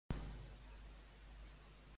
Com es forma el color verd?